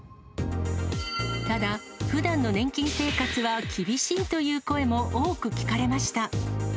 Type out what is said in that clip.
ただ、ふだんの年金生活は厳しいという声も多く聞かれました。